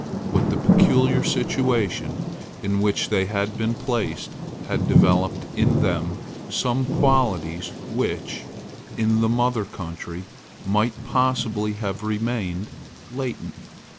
But the peculiar situation in which they had been placed had developed in them some qualities which, in the mother country, might possibly have remained latent.